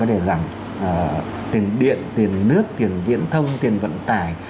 chúng ta phải để giảm tiền điện tiền nước tiền điện thông tiền vận tài